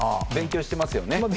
勉強してますよね？